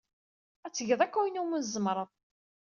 Ad tgeḍ akk ayen umi tzemreḍ.